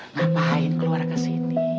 ngapain keluar ke sini